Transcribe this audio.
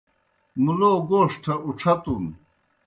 مُلَو گوݜٹھہ اُڇَھتُن۔